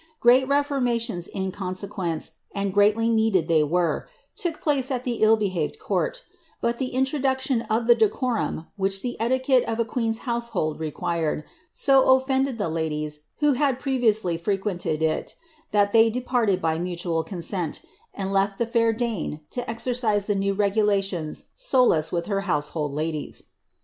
Great reformations in consequence, — and greatly needed they were, — took place at the ill behaved court; but the intro duction of the decorum which the etiquette of a queen's household re quired, so offended the ladies who had previously frequented it, that they departed by mutual consent, and left the fair Dane to exercise the new regulations solus with her household ladies.